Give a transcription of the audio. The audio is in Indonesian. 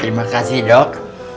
terima kasih dok